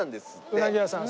うなぎ屋さん。